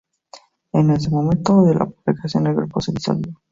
En ese momento de la publicación, el grupo se disolvió.